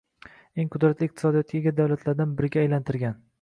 eng qudratli iqtisodiyotga ega davlatlardan biriga alantirgan